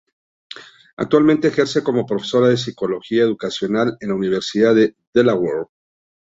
Actualmente ejerce como profesora de psicología educacional en la Universidad de Delaware.